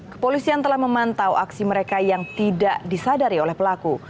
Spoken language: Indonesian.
kepolisian telah memantau aksi mereka yang tidak disadari oleh pelaku